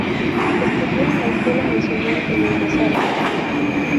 Estudió en la Escuela Nacional de Bellas Artes.